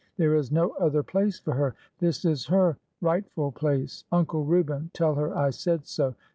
There is no other place for her. This is her rightful place. Uncle Reuben, tell her I said so.